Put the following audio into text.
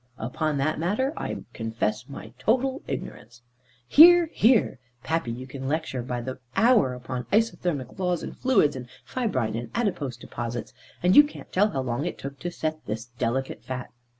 "Upon that matter, I confess my total ignorance." "Hear, hear! Pappy, you can lecture by the hour upon isothermic laws, and fluids, and fibrine, and adipose deposits, and you can't tell how long it took to set this delicate fat.